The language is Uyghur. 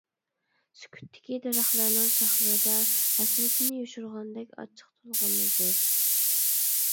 سۈكۈتتىكى دەرەخلەرنىڭ شاخلىرىدا ھەسرىتىنى يوشۇرغاندەك ئاچچىق تولغىنىدۇ.